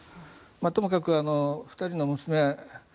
ともかく、２人の娘